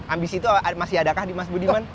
ambisi itu masih adakah di mas budiman